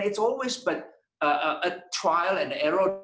tidak pernah ada hal hal yang mengejutkan